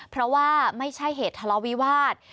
เพราะว่าไม่ใช่เหตุทะเลาวิวาส